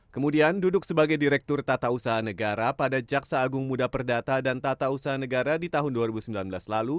kemudian duduk sebagai direktur tata usaha negara pada jaksa agung muda perdata dan tata usaha negara di tahun dua ribu sembilan belas lalu